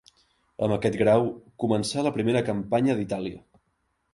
Amb aquest grau començà la primera campanya d'Itàlia.